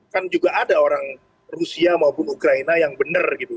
kan juga ada orang rusia maupun ukraina yang benar gitu